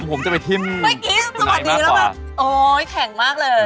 เมื่อกี้สวัสดีแล้วแบบโอ้ยแข็งมากเลย